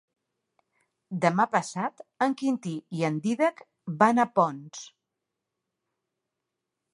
Demà passat en Quintí i en Dídac van a Ponts.